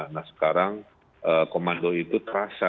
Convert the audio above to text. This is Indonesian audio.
nah sekarang komando itu terasa